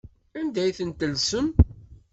Anda ay tent-tellsem?